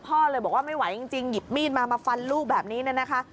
เลยบอกว่าไม่ไหวจริงหยิบมีดมามาฟันลูกแบบนี้นะคะ